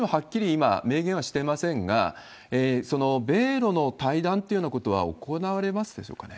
今、明言はしてませんが、米ロの対談っていうようなことは行われますでしょうかね？